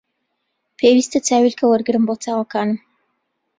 پێویستە چاویلکە وەرگرم بۆ چاوەکانم